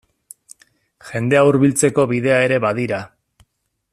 Jendea hurbiltzeko bidea ere badira.